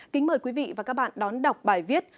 kính mời quý vị và các bạn đón đọc bài viết